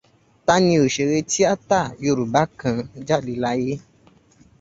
Ta ni òṣèré tíátà Yorùbá kan jáde láyé?